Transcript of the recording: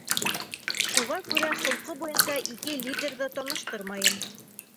Шуға күрә холҡо буйынса ике лидерҙы таныштырмайым.